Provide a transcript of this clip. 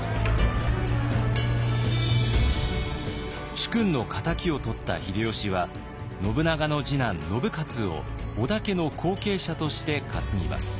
主君の敵を取った秀吉は信長の次男信雄を織田家の後継者として担ぎます。